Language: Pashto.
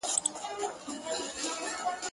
خون د کومي پېغلي دي په غاړه سو آسمانه-